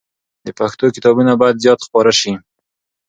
د پښتو کتابونه باید زیات خپاره سي.